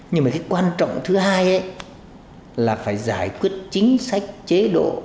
nhưng mà cái quan trọng thứ hai là phải giải quyết chính sách chế độ